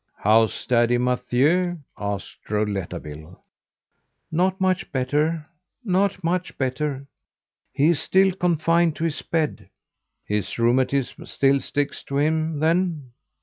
"How's Daddy Mathieu?" asked Rouletabille. "Not much better not much better; he is still confined to his bed." "His rheumatism still sticks to him, then?"